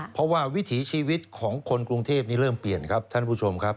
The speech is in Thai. เพราะว่าวิถีชีวิตของคนกรุงเทพนี้เริ่มเปลี่ยนครับท่านผู้ชมครับ